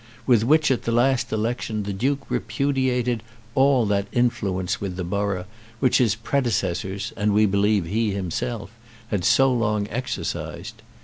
with which at the last election the Duke repudiated all that influence with the borough which his predecessors, and we believe he himself, had so long exercised.